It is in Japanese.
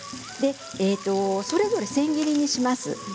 それぞれ千切りにします。